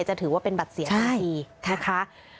จะถือว่าเป็นบัตรเสียทันทีนะคะ